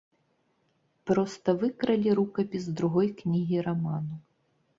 Проста выкралі рукапіс другой кнігі раману.